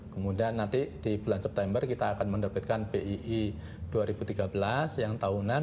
kemudian nanti di bulan september kita akan mendapatkan bii dua ribu tiga belas yang tahunan